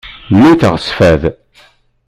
Muteɣ s fad.